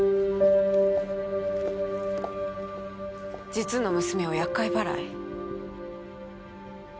実の娘を厄介払い？